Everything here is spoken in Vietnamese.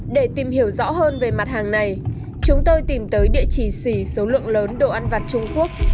để tìm hiểu rõ hơn về mặt hàng này chúng tôi tìm tới địa chỉ xỉ số lượng lớn đồ ăn vặt trung quốc